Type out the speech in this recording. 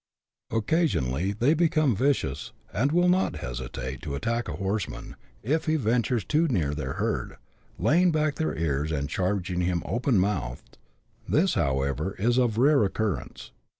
Occasionally they become vicious, and will not hesitate to attack a horseman, if he ventures too near their herd, laying back their ears, and charging him open mouthed ; this, however, is of rare occurrence.